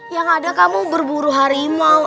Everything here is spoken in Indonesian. yang ada kamu berburu harimau